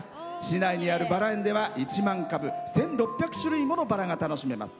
市内にあるバラ園では１万株１６００種類ものバラが楽しめます。